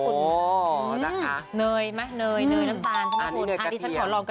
อร่อยมาก